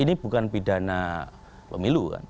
ini bukan pidana pemilu kan